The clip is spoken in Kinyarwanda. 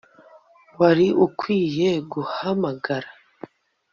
Wari ukwiye guhamagara